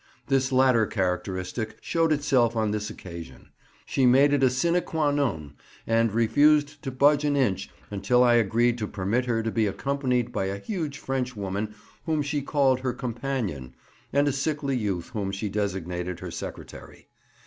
This latter characteristic showed itself on this occasion; she made it a sine quâ non, and refused to budge an inch unless I agreed to permit her to be accompanied by a huge French woman whom she called her companion, and a sickly youth whom she designated her secretary.